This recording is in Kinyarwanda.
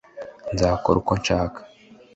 nzakora uko nshaka